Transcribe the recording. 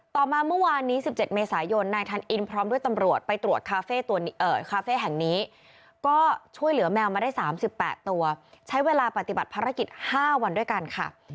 ต่อมาเมื่อวานนี้๑๗เมษายนนายทันอินพร้อมด้วยตำรวจไปตรวจคาเฟ่คาเฟ่แห่งนี้ก็ช่วยเหลือแมวมาได้๓๘ตัวใช้เวลาปฏิบัติภารกิจ๕วันด้วยกันค่ะ